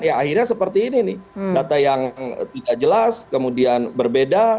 ya akhirnya seperti ini nih data yang tidak jelas kemudian berbeda